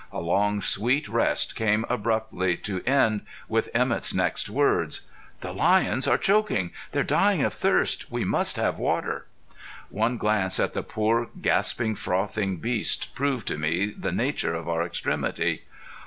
A long, sweet rest came abruptly to end with Emett's next words. "The lions are choking! They're dying of thirst! We must have water!" One glance at the poor, gasping, frothing beasts, proved to me the nature of our extremity.